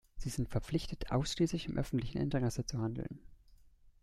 Sie sind verpflichtet, ausschließlich im öffentlichen Interesse zu handeln.